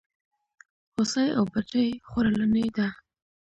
هوسۍ او بدرۍ خورلڼي دي.